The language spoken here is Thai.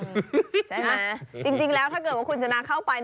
ใช่ไหมจริงแล้วถ้าคุณจนล่ะเข้าไป